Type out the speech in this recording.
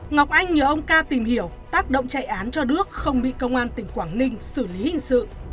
ngọc anh nhờ ông ca tìm hiểu tác động chạy án cho đước không bị công an tỉnh quảng ninh xử lý hình sự